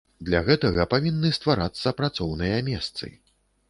Для гэтага павінны стварацца працоўныя месцы.